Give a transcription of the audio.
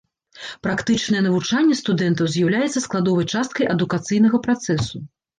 Практычнае навучанне студэнтаў з'яўляецца складовай часткай адукацыйнага працэсу.